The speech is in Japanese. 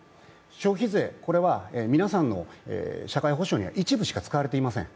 消費税、これは皆さんの社会保障には一部しか使われていません。